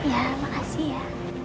ya makasih ya